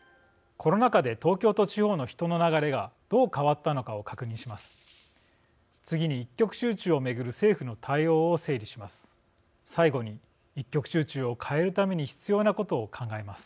コロナ禍で東京と地方の人の流れがどう変わったのかを確認します。